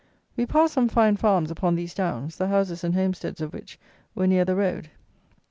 We passed some fine farms upon these downs, the houses and homesteads of which were near the road.